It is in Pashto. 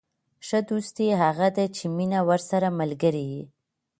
ښه دوستي هغه ده، چي مینه ورسره ملګرې يي.